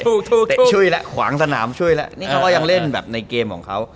ถูกเตะช่วยแล้วขวางสนามช่วยแล้วนี่เขาก็ยังเล่นแบบในเกมของเขา